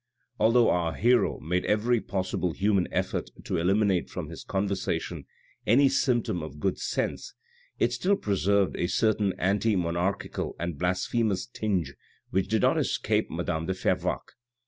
Although our hero made every possible human effort to eliminate from his conversation any symptom of good sense, it still preserved a certain anti monarchical and blasphem ous tinge which did not escape madame de Fervaques.